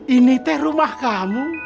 ini teh rumah kamu